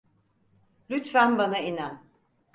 Lütfen bana inan.